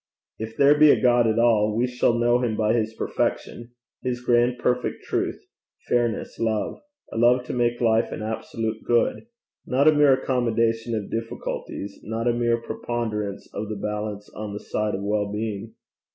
If there be a God at all, we shall know him by his perfection his grand perfect truth, fairness, love a love to make life an absolute good not a mere accommodation of difficulties, not a mere preponderance of the balance on the side of well being.